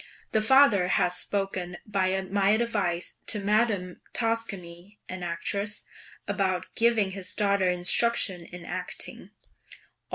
The father has spoken by my advice to Madame Toscani (an actress) about giving his daughter instruction in acting.